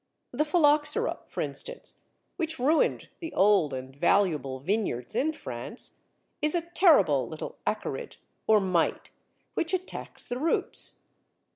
The Phylloxera, for instance, which ruined the old and valuable vineyards in France, is a terrible little acarid, or mite, which attacks the roots.